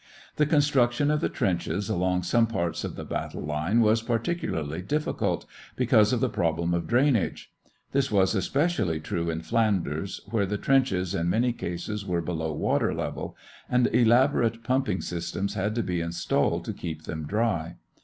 The construction of the trenches along some parts of the battle line was particularly difficult, because of the problem of drainage. This was especially true in Flanders, where the trenches in many cases were below water level, and elaborate pumping systems had to be installed to keep them dry.